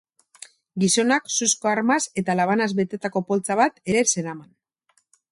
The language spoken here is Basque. Gizonak suzko armaz eta labanaz betetako poltsa bat ere zeraman.